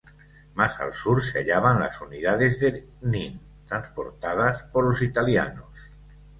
Más al sur se hallaban las unidades de Knin transportadas por los italianos.